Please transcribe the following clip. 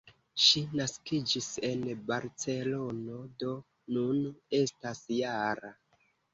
Ŝi naskiĝis en Barcelono, do nun estas -jara.